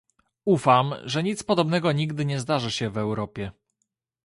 Ufam, że nic podobnego nigdy nie zdarzy się w Europie